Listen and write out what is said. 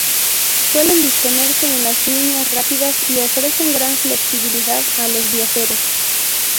Suelen disponerse en las líneas rápidas y ofrecen gran flexibilidad a los viajeros.